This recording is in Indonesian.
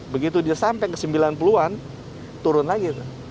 begitu dia sampai ke sembilan puluh an turun lagi